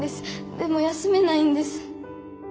でも休めないんです。